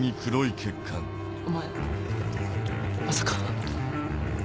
お前まさか。